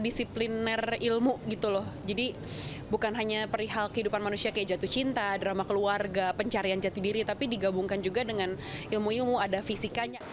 disipliner ilmu gitu loh jadi bukan hanya perihal kehidupan manusia kayak jatuh cinta drama keluarga pencarian jati diri tapi digabungkan juga dengan ilmu ilmu ada fisikanya